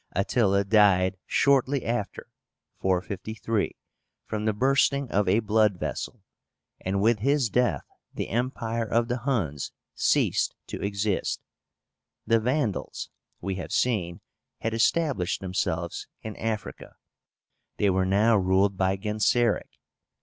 Attila died shortly after (453) from the bursting of a blood vessel, and with his death the empire of the Huns ceased to exist. The VANDALS, we have seen, had established themselves in Africa. They were now ruled by GENSERIC.